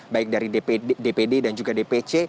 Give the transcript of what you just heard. baik dari dpd dan juga dpc